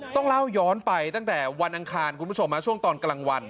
ต้องเล่าย้อนไปตั้งแต่วันอังคารคุณผู้ชมช่วงตอนกลางวัน